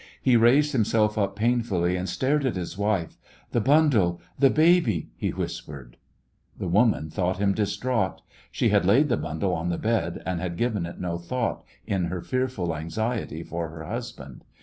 He raised himself up painfully and stared at his wife. "The bundle— the baby—" he whispered. The woman thought him dis traught. She had laid the bundle on the bed, and had given it no thought in her fearful anxiety for her hus band.